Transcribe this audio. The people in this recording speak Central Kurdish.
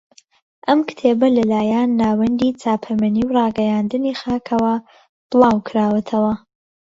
ئەم کتێبە لەلایەن ناوەندی چاپەمەنی و ڕاگەیاندنی خاکەوە بڵاو کراوەتەوە